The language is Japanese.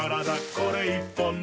これ１本で」